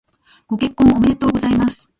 ご結婚おめでとうございます。